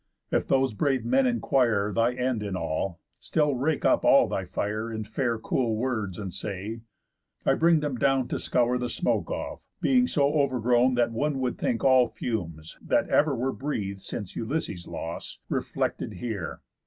If those brave men inquire Thy end in all, still rake up all thy fire In fair cool words, and say: 'I bring them down To scour the smoke off, being so overgrown That one would think all fumes, that ever were Breath'd since Ulysses' loss, reflected here.